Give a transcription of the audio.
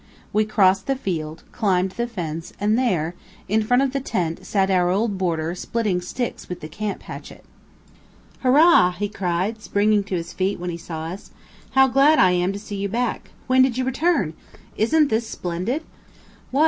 We crossed the field, climbed the fence, and there, in front of the tent sat our old boarder splitting sticks with the camp hatchet. "Hurrah!" he cried, springing to his feet when he saw us. "How glad I am to see you back! When did you return? Isn't this splendid?" "What?"